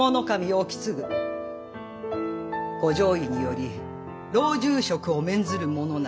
意次ご上意により老中職を免ずるものなり。